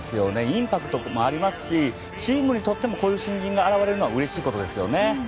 インパクトもありますしチームにとってもこういう新人が現れるのはうれしいことですよね。